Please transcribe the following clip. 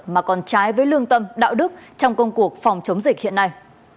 mà còn trái với lương tâm đạo đức trong công cuộc phòng chống dịch hiện nay